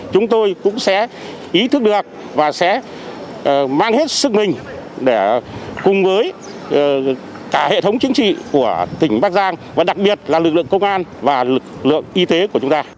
chúng tôi cũng sẽ ý thức được và sẽ mang hết sức mình để cùng với cả hệ thống chính trị của tỉnh bắc giang và đặc biệt là lực lượng công an và lực lượng y tế của chúng ta